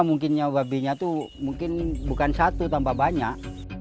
mungkin nyawa babinya itu mungkin bukan satu tanpa banyak